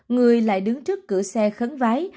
người lại đứng trước cửa xe khấn vái